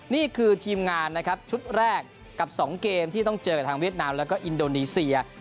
นี่คือทีมงานนะครับชุดแรกกับ๒เกมที่ต้องเจอกับทางเวียดนามแล้วก็อินโดนีเซีย